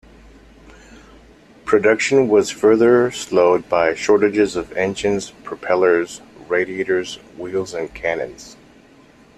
Production was further slowed by shortages of engines, propellers, radiators, wheels and cannons.